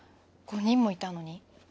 ５人もいたのに？